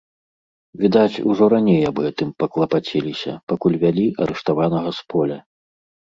Відаць, ужо раней аб гэтым паклапаціліся, пакуль вялі арыштаванага з поля.